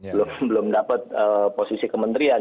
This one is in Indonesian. belum belum dapet ee posisi kementerian